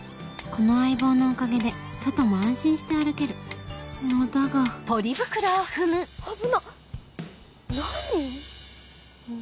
この相棒のおかげで外も安心して歩けるのだが危なっ！